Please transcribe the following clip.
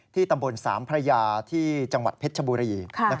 ตำบลสามพระยาที่จังหวัดเพชรชบุรี